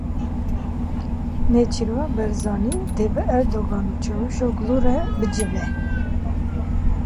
Nêçîrvan Barzanî dê bi Erdogan û Çavuşoglu re bicive.